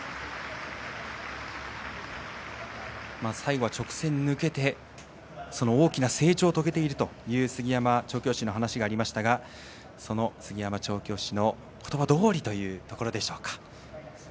最後は直線、抜けて大きな成長を遂げているという杉山調教師の話がありましたがその杉山調教師の言葉どおりというところでしょうか。